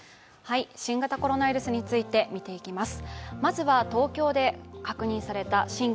新型コロナウイルスについて見ていきます。